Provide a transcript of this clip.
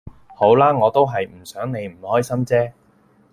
好啦我都係唔想你唔開心啫